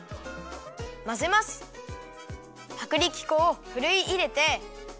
まぜます！はくりきこをふるいいれて。